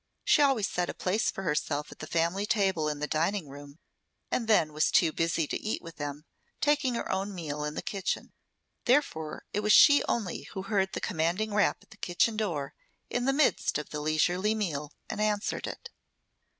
She always set a place for herself at the family table in the dining room and then was too busy to eat with them, taking her own meal in the kitchen. Therefore it was she only who heard the commanding rap at the kitchen door in the midst of the leisurely meal, and answered it.